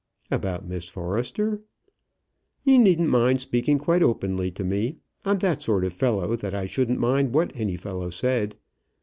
"About Miss Forrester?" "You needn't mind speaking quite openly to me. I'm that sort of fellow that I shouldn't mind what any fellow said.